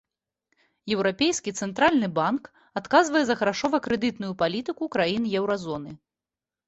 Еўрапейскі цэнтральны банк адказвае за грашова-крэдытную палітыку краін еўразоны.